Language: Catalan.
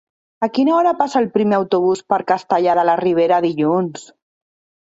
A quina hora passa el primer autobús per Castellar de la Ribera dilluns?